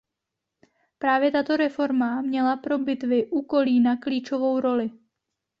Právě tato reforma měla pro bitvy u Kolína klíčovou roli.